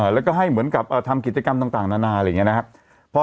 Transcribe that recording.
แล้วก็ให้เหมือนกับทำกิจกรรมต่างนานาอะไรอย่างนี้นะครับ